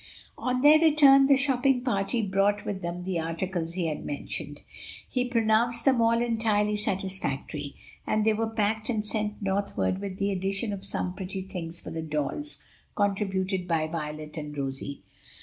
On their return the shopping party brought with them the articles he had mentioned. He pronounced them all entirely satisfactory, and they were packed and sent northward with the addition of some pretty things for the dolls, contributed by Violet and Rosie.